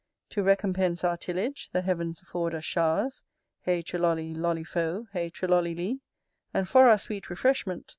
To recompense our tillage, The heavens afford us showers Heigh trolollie lollie foe, etc. And for our sweet refreshment.